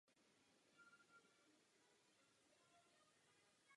Po bombardování Bratislavy se sem uchýlil Slovenský červený kříž.